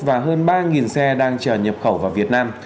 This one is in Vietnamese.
và hơn ba xe đang chờ nhập khẩu vào việt nam